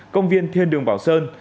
công viên thiên đường bảo sơn